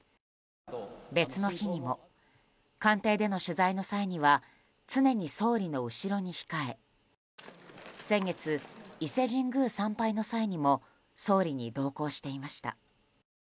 別の日にも官邸での取材の際には常に総理の後ろに控え先月、伊勢神宮参拝の際にも総理に同行していました。